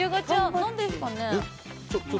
何ですかね。